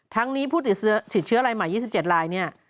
ทั้งนี้ผู้ติดเชื้อรายใหม่๒๗ลายเนี่ย